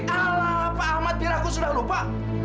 alah pak ahmad biar aku sudah lupa